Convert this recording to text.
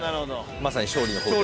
まさに勝利の方程式。